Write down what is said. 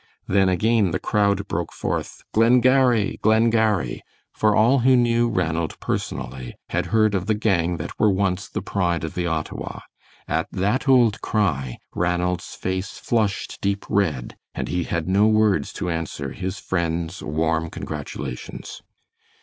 Then again the crowd broke forth, "Glengarry! Glengarry!" for all who knew Ranald personally had heard of the gang that were once the pride of the Ottawa. At that old cry Ranald's face flushed deep red, and he had no words to answer his friends' warm congratulations.